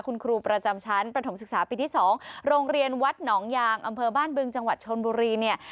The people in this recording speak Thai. คุณครูประจำชั้นประถมศึกษาปีที่๒โรงเรียนวัดหนองยางอำเภอบ้านบึงจังหวัดชนบุรีเนี่ย